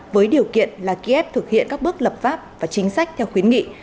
với điều kiện là ký ép thực hiện các bước lập pháp và chính sách theo khuyến nghị